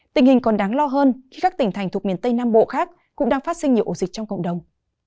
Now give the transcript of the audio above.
tình hình còn đáng lo hơn khi các tỉnh thành thuộc miền tây nam bộ khác cũng đang phát sinh nhiều ổ dịch trong cộng đồng